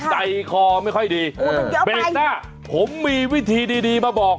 ใจคอไม่ค่อยดีเบรกหน้าผมมีวิธีดีมาบอก